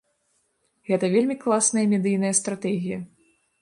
Гэта вельмі класная медыйная стратэгія.